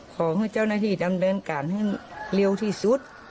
ขอให้เจ้าน้าที่ทำดานการณ์เย็นเร็วที่สุด